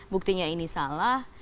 buktinya ini salah